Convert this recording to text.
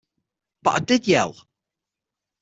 But I did yell.